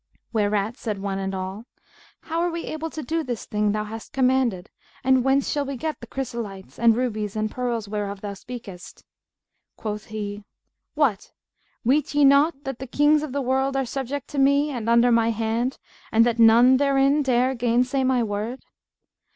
Whereat said one and all, 'How are we able to do this thing thou hast commanded, and whence shall we get the chrysolites and rubies and pearls whereof thou speakest?' Quoth he, 'What! weet ye not that the Kings of the world are subject to me and under my hand and that none therein dare gainsay my word?'